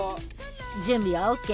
準備はＯＫ？